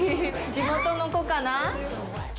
地元の子かな？